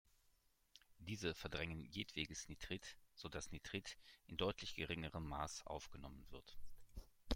Diese verdrängen jedwedes Nitrit, sodass Nitrit in deutlich geringerem Maß aufgenommen wird.